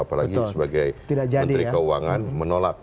apalagi sebagai menteri keuangan menolak